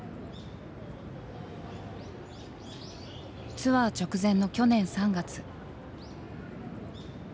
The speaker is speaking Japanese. ツアー直前の去年３月。